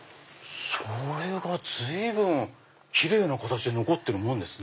それが随分奇麗な形で残ってるもんですね。